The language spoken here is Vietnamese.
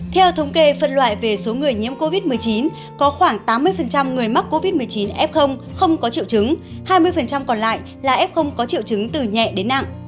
theo thống kê phân loại về số người nhiễm covid một mươi chín có khoảng tám mươi người mắc covid một mươi chín f không có triệu chứng hai mươi còn lại là f không có triệu chứng từ nhẹ đến nặng